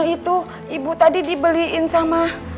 itu ibu tadi dibeliin sama